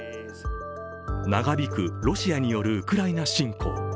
長引くロシアによるウクライナ侵攻。